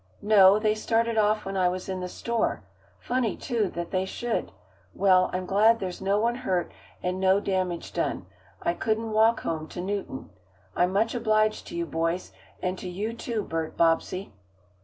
"No, they started off when I was in the store. Funny, too, that they should. Well, I'm glad there's no one hurt and no damage done. I couldn't walk home to Newton. I'm much obliged to you boys. And to you too, Bert Bobbsey.